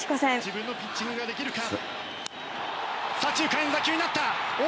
自分のピッチングができるか？